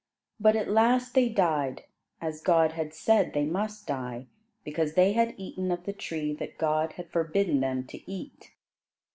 But at last they died, as God had said they must die, because they had eaten of the tree that God had forbidden them to eat.